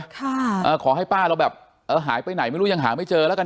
ขอให้ป้าเราแบบเออหายไปไหนไม่รู้ยังหาไม่เจอแล้วกัน